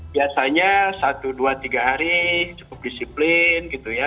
biasanya satu dua tiga hari cukup disiplin gitu ya